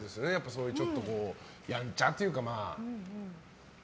そういうちょっとやんちゃというか。